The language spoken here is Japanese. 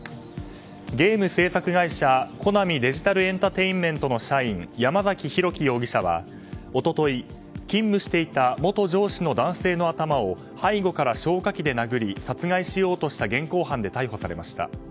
ゲーム制作会社コナミデジタルエンタテイメントの社員山崎裕基容疑者は一昨日勤務していた元上司の男性の頭を背後から消火器で殴り殺害しようとした現行犯で逮捕されました。